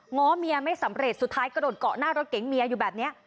้อเมียไม่สำเร็จสุดท้ายกระโดดเกาะหน้ารถเก๋งเมียอยู่แบบนี้